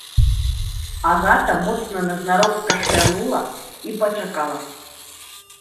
Агата моцна назнарок кашлянула і пачакала.